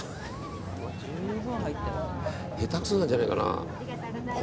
下手くそなんじゃねえかな。